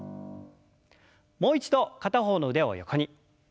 もう一度片方の腕を横に。